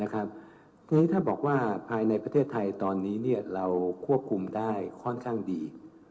เพราะฉะนั้นถ้าบอกว่าภายในประเทศไทยตอนนี้เราควบคุมได้ค่อนข้างดี